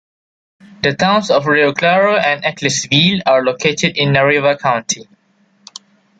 The towns of Rio Claro and Ecclesville are located in Nariva County.